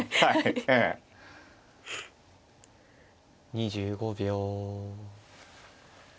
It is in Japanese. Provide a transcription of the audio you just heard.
２５秒。